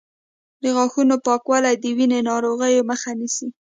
د غاښونو پاکوالی د وینې ناروغیو مخه نیسي.